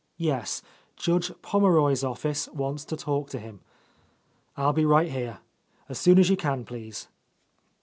"Yes. Judge Pommeroy's office wants to talk to him. I'll be right here. As soon as you can, please."